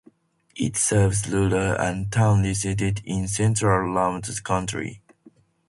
It serves rural and town residents in central Lambton County.